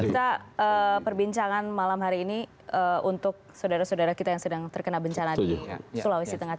kita perbincangan malam hari ini untuk saudara saudara kita yang sedang terkena bencana di sulawesi tengah